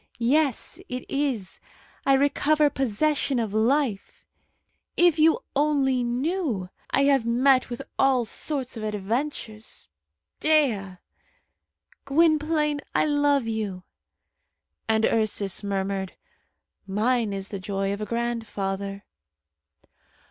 Yes, it is. I recover possession of life. If you only knew! I have met with all sorts of adventures. Dea!" "Gwynplaine, I love you!" And Ursus murmured, "Mine is the joy of a grandfather."